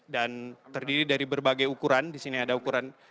dan terdiri dari berbagai ukuran